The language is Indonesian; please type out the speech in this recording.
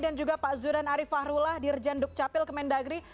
dan juga pak zudan arief fahrullah dirjen dukcapil kemendagri